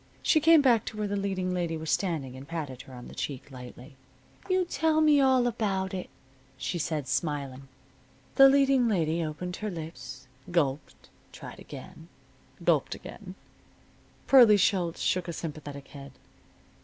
She came back to where the leading lady was standing and patted her on the cheek, lightly. "You tell me all about it," said she, smiling. The leading lady opened her lips, gulped, tried again, gulped again Pearlie Schultz shook a sympathetic head.